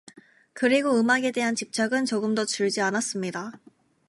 그리고 음악에 대한 집착은 조금도 줄지 않았습니다.